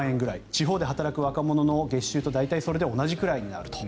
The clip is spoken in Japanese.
地方で働く者の月収と大体同じくらいになると。